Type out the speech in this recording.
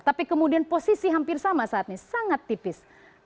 tapi kemudian posisi hampir sama saat ini sangat tipis